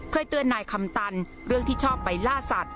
เคยเตือนนายคำตันเรื่องที่ชอบไปล่าสัตว